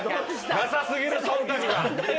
なさすぎる忖度が！